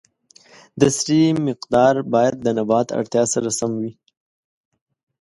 د سرې مقدار باید د نبات اړتیا سره سم وي.